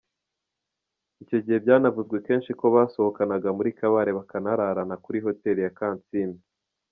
Icyo gihe byanavuzwe kenshi ko basohokanaga muri Kabale bakanararana kuri hoteli ya Kansiime.